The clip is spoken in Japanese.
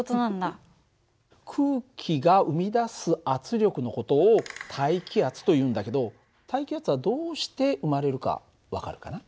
空気が生み出す圧力の事を大気圧というんだけど大気圧はどうして生まれるか分かるかな？